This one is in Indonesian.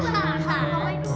mereka masih hidup